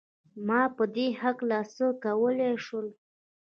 ما په دې هکله څه کولای شول؟